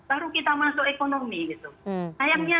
baru kita masuk ekonomi